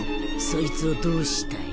そいつをどうしたい？